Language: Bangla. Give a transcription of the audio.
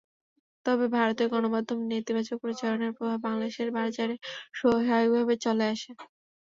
তবে ভারতের গণমাধ্যমে নেতিবাচক প্রচারণার প্রভাব বাংলাদেশের বাজারে স্বাভাবিকভাবে চলে আসে।